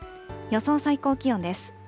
予想最高気温です。